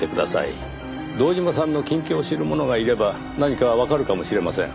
堂島さんの近況を知る者がいれば何かわかるかもしれません。